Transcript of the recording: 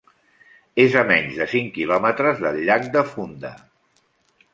És a menys de cinc quilòmetres del llac de Funda.